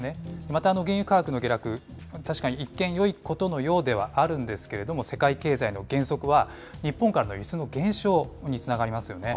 また原油価格の下落、確かに一見、よいことのようではあるんですけれども、世界経済の減速は、日本からの輸出の減少につながりますよね。